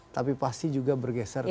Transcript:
tapi pasti juga bergeser